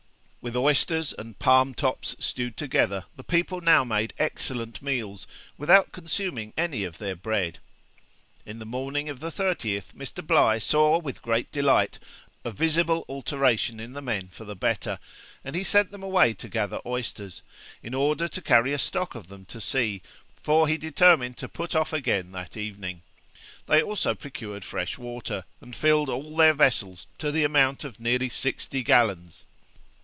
With oysters and palm tops stewed together the people now made excellent meals, without consuming any of their bread. In the morning of the 30th, Mr. Bligh saw with great delight a visible alteration in the men for the better, and he sent them away to gather oysters, in order to carry a stock of them to sea, for he determined to put off again that evening. They also procured fresh water, and filled all their vessels to the amount of nearly sixty gallons.